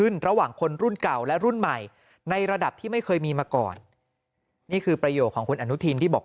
ในระดับที่ไม่เคยมีมาก่อนี่คือประโยคของคุณอรุทิญดีบอก